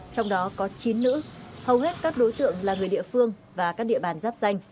trong đó có chín nữ hầu hết các đối tượng là người địa phương và các địa bàn giáp danh